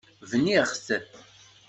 Bniɣ-t.